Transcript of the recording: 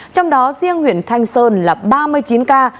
trong đó riêng huyện thanh sơn là ba mươi chín ca